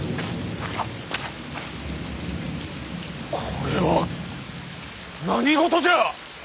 これは何事じゃ！